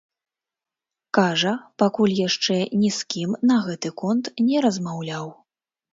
Кажа, пакуль яшчэ ні з кім на гэты конт не размаўляў.